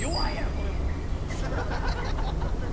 それも！